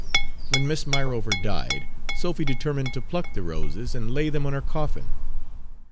When Miss Myrover died, Sophy determined to pluck the roses and lay them on her coffin.